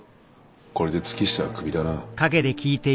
これで月下はクビだな。